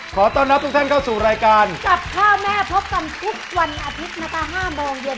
ขอต้อนรับทุกท่านเข้าสู่รายการจับข้าวแม่พบกันทุกวันอาทิตย์นะคะ๕โมงเย็น